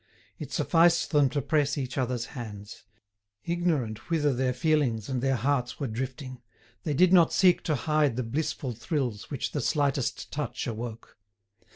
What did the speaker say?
It sufficed them to press each other's hands. Ignorant whither their feelings and their hearts were drifting, they did not seek to hide the blissful thrills which the slightest touch awoke.